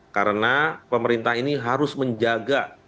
karena pemerintah ini harus menjaga ketersediaan